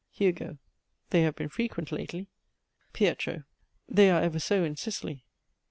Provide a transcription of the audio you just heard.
HUGO. They have been frequent lately. PIET. They are ever so in Sicily.